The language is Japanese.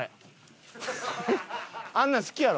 あんなん好きやろ？